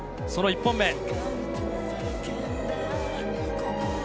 その１本目。